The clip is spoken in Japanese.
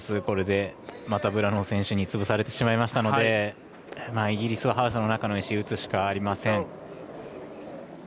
これでブラノー選手につぶされてしまいましたのでイギリスはハウスの中の石打つしかありません。